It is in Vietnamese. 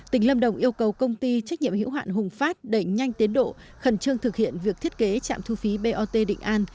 tỉnh lâm đồng yêu cầu công ty trách nhiệm hữu hạn hùng phát đẩy nhanh tiến độ khẩn trương thực hiện việc thiết kế trạm thu phí bot định an